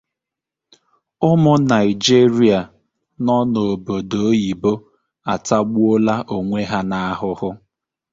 Ụmụ Nigeria nọ n’obodo oyibo atagbuola onwe ha n’ahụhụ